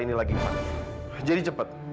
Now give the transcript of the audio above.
mungkin ber text